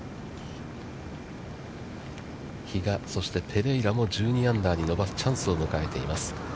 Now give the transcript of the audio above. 比嘉、そしてペレイラも、１２アンダーに伸ばすチャンスを迎えています。